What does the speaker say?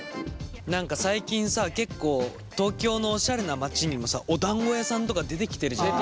何か最近さ結構東京のおしゃれな街にもさおだんご屋さんとか出てきてるじゃん。